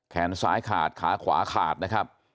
แขนซ้ายขาดขาขวาขาดนะครับ